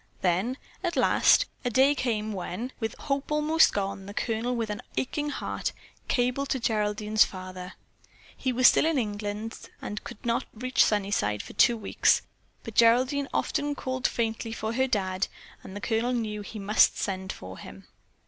Then, at last, came a day when, with hope almost gone, the Colonel, with an aching heart, cabled to Geraldine's father. He was in England still and he could not reach Sunnyside for two weeks, but Geraldine often called faintly for her "Dad," and the Colonel knew that he must send for him.